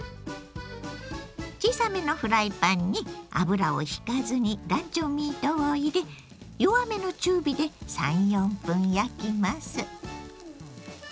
小さめのフライパンに油をひかずにランチョンミートを入れ弱めの中火で３４分焼きます。